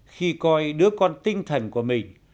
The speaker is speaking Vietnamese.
khi coi đứa con tinh thần của mình